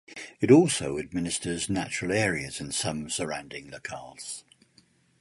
It also administers natural areas in some surrounding locales.